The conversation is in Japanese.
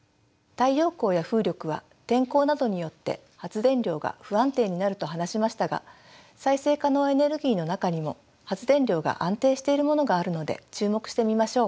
太陽光や風力は天候などによって発電量が不安定になると話しましたが再生可能エネルギーの中にも発電量が安定しているものがあるので注目してみましょう。